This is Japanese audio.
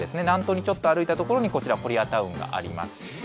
南東にちょっと歩いた所にこちら、コリアタウンがあります。